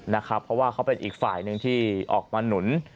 เพราะว่าเขาเป็นอีกฝ่ายหนึ่งที่ออกมาหนุน